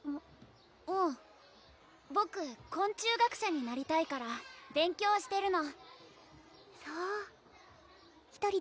うんボク昆虫学者になりたいから勉強してるのそう１人で平気？